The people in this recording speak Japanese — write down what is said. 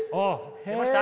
出ました？